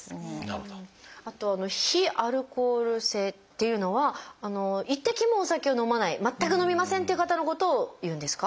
あと非アルコール性っていうのは一滴もお酒を飲まない全く飲みませんっていう方のことを言うんですか？